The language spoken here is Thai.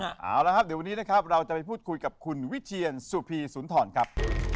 เอาละครับเดี๋ยววันนี้นะครับเราจะไปพูดคุยกับคุณวิเทียนสุพีสุนทรครับ